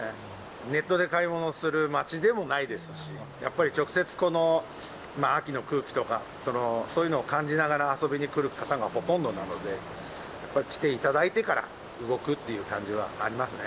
ネットで買い物をする街でもないですし、やっぱり直接この秋の空気とか、そういうのを感じながら遊びに来る方がほとんどなので、やっぱり来ていただいてから動くっていう感じはありますね。